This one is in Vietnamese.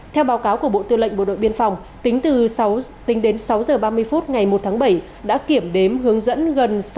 theo báo cáo của bộ tư lệnh bộ đội biên phòng tính từ sáu h ba mươi phút ngày một tháng bảy đã kiểm đếm hướng dẫn